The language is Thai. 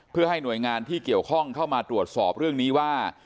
เพื่อให้หน่วยงานที่เกี่ยวข้องเข้ามาตรวจสอบเรื่องนี้ว่า